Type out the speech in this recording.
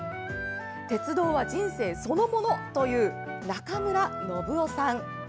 鉄道は人生そのものという中村信雄さん。